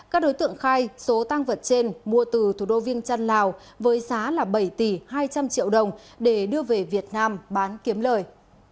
các đối tượng khai số tăng vật trên mua từ thủ đô viêng trăn lào với giá là bảy tỷ hai trăm linh triệu đồng để đưa về việt nam bán kiếm lời